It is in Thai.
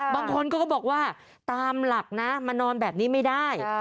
บางคนก็บอกว่าตามหลักนะมานอนแบบนี้ไม่ได้